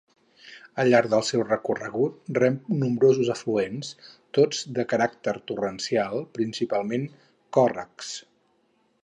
Al llarg del seu recorregut rep nombrosos afluents, tots de caràcter torrencial, principalment còrrecs.